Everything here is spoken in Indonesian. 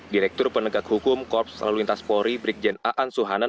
direktur penegak hukum korps laluintas polri brikjen aan suhanan